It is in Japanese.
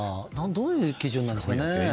どういう基準なんですか？